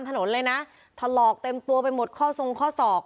ถนนเลยนะถลอกเต็มตัวไปหมดข้อทรงข้อศอก